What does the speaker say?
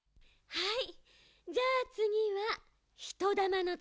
はい！